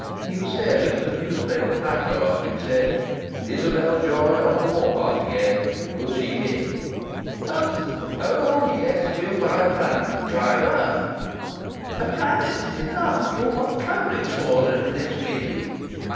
He was staring at a newspaper placard which said: "Isabel Joy on the war path again. Will she win?" "But " "Oh, yes. We'll buy a pram! Driver " "A pram isn't enough. You'll want coverings for her in this wind."